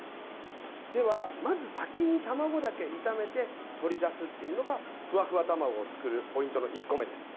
では、まず先に卵だけ炒めて取り出すっていうのがふわふわ卵を作るポイントの１個目です。